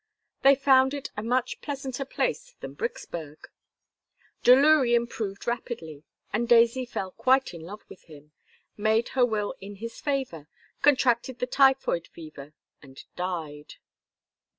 They found it a much pleasanter place than Bricksburg. Delury improved rapidly and Daisy fell quite in love with him, made her will in his favor, contracted the typhoid fever and died.